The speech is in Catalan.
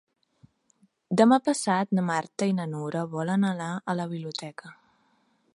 Demà passat na Marta i na Nura volen anar a la biblioteca.